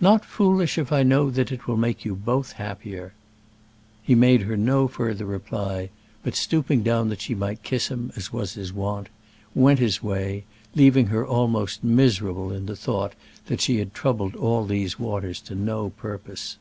"Not foolish if I know that it will make you both happier." He made her no further reply, but stooping down that she might kiss him, as was his wont, went his way, leaving her almost miserable in the thought that she had troubled all these waters to no purpose.